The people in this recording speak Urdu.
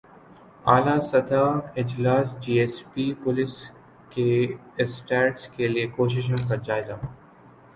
اعلی سطحی اجلاس جی ایس پی پلس کے اسٹیٹس کیلئے کوششوں کا جائزہ